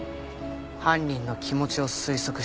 犯人の気持ちを推測して。